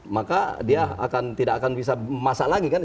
maka dia tidak akan bisa masak lagi kan